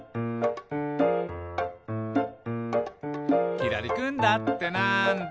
「きらりくんだってなんだ？」